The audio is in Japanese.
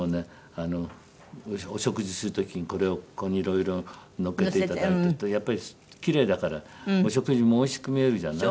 あのお食事する時にこれをここにいろいろのっけていただいてるとやっぱりキレイだからお食事もおいしく見えるじゃない？